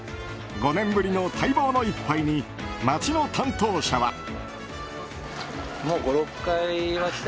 ５年ぶりの待望の一杯に町の担当者は。